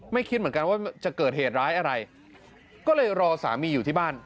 คิดเหมือนกันว่าจะเกิดเหตุร้ายอะไรก็เลยรอสามีอยู่ที่บ้าน